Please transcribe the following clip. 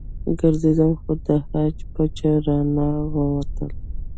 ګرځېدم خو د حج پچه رانه ووتله.